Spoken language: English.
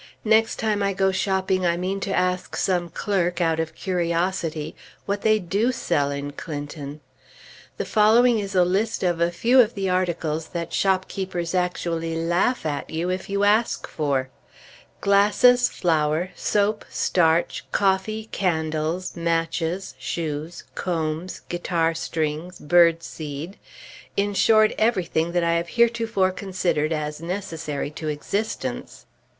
Next time I go shopping, I mean to ask some clerk, out of curiosity, what they do sell in Clinton. The following is a list of a few of the articles that shopkeepers actually laugh at you if you ask for: Glasses, flour, soap, starch, coffee, candles, matches, shoes, combs, guitar strings, bird seed, in short, everything that I have heretofore considered as necessary to existence.